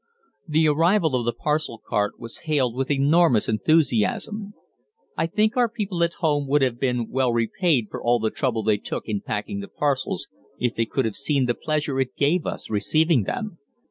The arrival of the parcel cart was hailed with enormous enthusiasm. I think our people at home would have been well repaid for all the trouble they took in packing the parcels if they could have seen the pleasure it gave us receiving them.